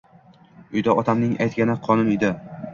Uyda otamning aytgani qonun edi